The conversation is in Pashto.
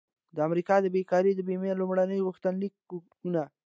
د امریکا د بیکارۍ د بیمې لومړني غوښتنلیکونه